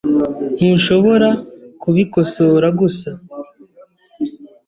Ntushobora kubikosora gusa?